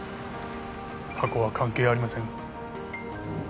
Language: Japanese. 過去は関係ありませんうん